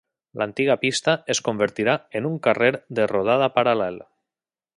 L'antiga pista es convertirà en un carrer de rodada paral·lel.